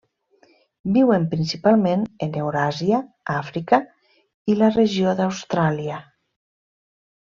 Viuen principalment en Euràsia, Àfrica i la regió d'Austràlia.